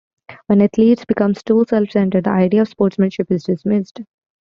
When athletes become too self-centred, the idea of sportsmanship is dismissed.